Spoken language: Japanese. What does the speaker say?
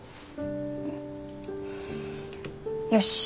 よし。